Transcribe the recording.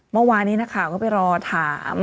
เมื่อวานนี้นักข่าวก็ไปรอถาม